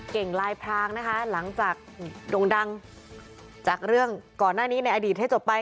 ลายพรางนะคะหลังจากโด่งดังจากเรื่องก่อนหน้านี้ในอดีตให้จบไป